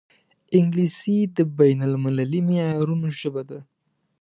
انګلیسي د بین المللي معیارونو ژبه ده